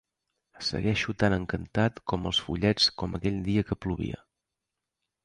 Segueixo tan encantat amb els follets com aquell dia que plovia.